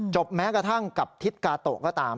แม้กระทั่งกับทิศกาโตะก็ตาม